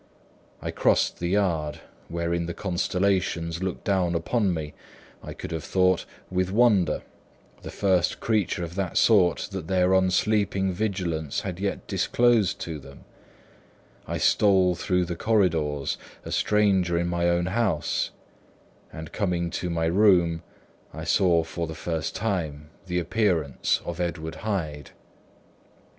I crossed the yard, wherein the constellations looked down upon me, I could have thought, with wonder, the first creature of that sort that their unsleeping vigilance had yet disclosed to them; I stole through the corridors, a stranger in my own house; and coming to my room, I saw for the first time the appearance of Edward Hyde.